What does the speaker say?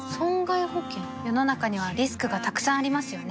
世の中にはリスクがたくさんありますよね